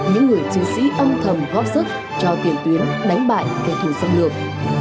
những người chiến sĩ âm thầm góp sức cho tiền tuyến đánh bại kẻ thù xâm lược